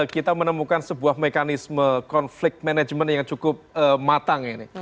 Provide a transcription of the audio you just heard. kita menemukan sebuah mekanisme konflik manajemen yang cukup matang ini